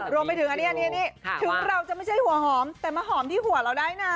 รวมไปถึงอันนี้ถึงเราจะไม่ใช่หัวหอมแต่มาหอมที่หัวเราได้นะ